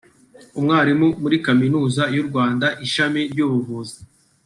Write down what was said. Umwarimu muri Kaminuza y’u Rwanda ishami ry’ubuvuzi